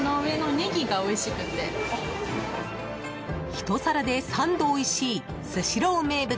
１皿で３度おいしいスシロー名物！！！